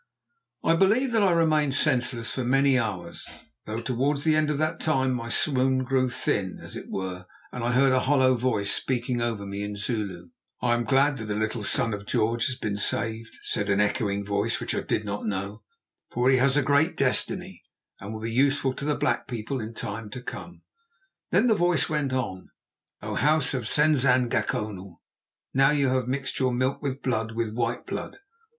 I believe that I remained senseless for many hours, though towards the end of that time my swoon grew thin, as it were, and I heard a hollow voice speaking over me in Zulu. "I am glad that the little Son of George has been saved," said the echoing voice, which I did not know, "for he has a great destiny and will be useful to the black people in time to come." Then the voice went on: "O House of Senzangacona! now you have mixed your milk with blood, with white blood.